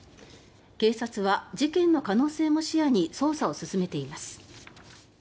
警察は事件の可能性も視野に捜査を進めています。